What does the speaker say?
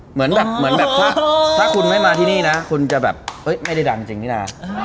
เหมือนแบบเหมือนแบบถ้าคุณไม่มาที่นี่นะคุณจะแบบไม่ได้ดังจริงนี่นะ